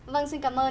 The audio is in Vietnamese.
vâng xin cảm ơn